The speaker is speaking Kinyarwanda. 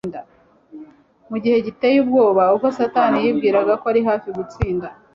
Mu gihe gitcye ubwoba, ubwo Satani yibwiraga ko ari hafi gutsinda,